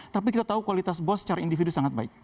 tapi kita tahu kualitas bos secara individu sangat baik